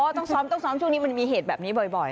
ต้องซ้อมต้องซ้อมช่วงนี้มันมีเหตุแบบนี้บ่อย